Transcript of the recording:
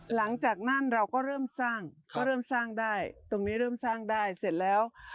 หลังจากนั้นเราก็เริ่มสร้างก็เริ่มสร้างได้ตรงนี้เริ่มสร้างได้เสร็จแล้ว